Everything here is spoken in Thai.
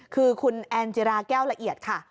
คือคุณแอนจิราแก้วละเอียดค่ะ